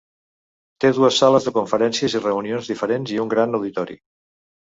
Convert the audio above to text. Té dues sales de conferències i reunions diferents i un gran auditori.